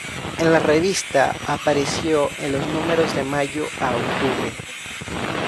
En la revista, apareció en los números de mayo a octubre.